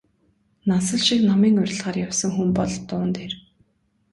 Нансал шиг намын уриалгаар явсан хүн бол дуун дээр...